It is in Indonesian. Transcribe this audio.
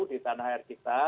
di tanah air kita